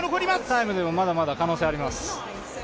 タイムでもまだまだ可能性があります。